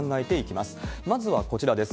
まずはこちらです。